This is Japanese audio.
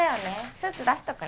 スーツ出しとくね